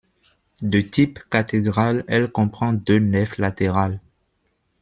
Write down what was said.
De type cathédrale, elle comprend deux nefs latérales.